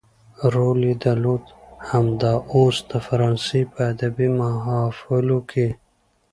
رول يې درلود همدا اوس د فرانسې په ادبي محافلو کې.